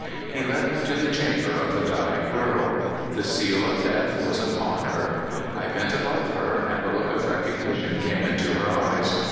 He led me to the chamber of the dying girl. The seal of death was upon her. I bent above her, and a look of recognition came into her eyes.